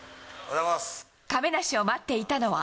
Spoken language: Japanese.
亀梨を待っていたのは。